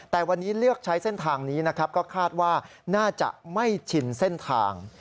แต่วันนี้เลือกใช้เส้นทางนี้นะครับก็คาดว่าน่าจะไม่ชินเส้นทาง